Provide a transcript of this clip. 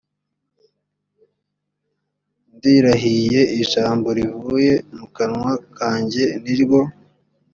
ndirahiye ijambo rivuye mu kanwa kanjye ni ryo